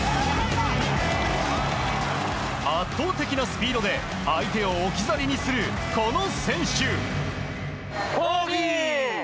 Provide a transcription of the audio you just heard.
圧倒的なスピードで相手を置き去りにするこの選手。